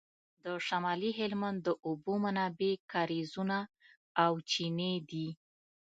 د شمالي هلمند د اوبو منابع کاریزونه او چینې دي